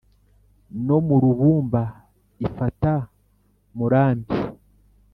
no mu rubumba ifata murambi